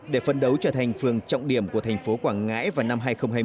để phân đấu trở thành phường trọng điểm của thành phố quảng ngãi vào năm hai nghìn hai mươi